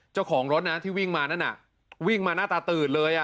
เจ้าของรถนะที่วิ่งมานั่นน่ะวิ่งมาหน้าตาตื่นเลย